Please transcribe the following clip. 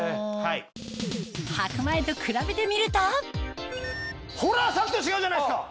履く前と比べてみるとほらさっきと違うじゃないですか！